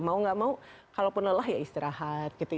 mau gak mau kalaupun lelah ya istirahat gitu